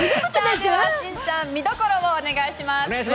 では、しんちゃん見どころをお願いします。